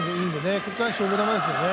ここからは勝負球ですよね。